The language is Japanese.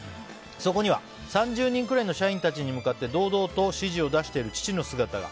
そこには３０人ぐらいの社員たちに向かって堂々と指示を出している父の姿が。